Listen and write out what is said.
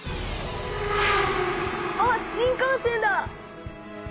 あっ新幹線だ！